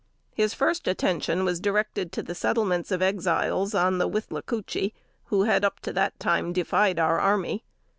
His first attention was directed to the settlements of Exiles on the Withlacoochee who had up to that time defied our army.